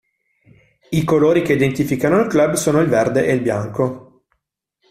I colori che identificano il club sono il verde e il bianco.